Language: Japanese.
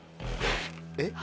えっ？